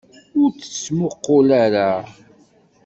Ur tt-ttmuqqul ara!